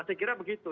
saya kira begitu